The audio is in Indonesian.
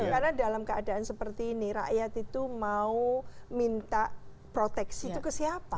karena dalam keadaan seperti ini rakyat itu mau minta proteksi itu ke siapa